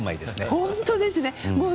本当ですね。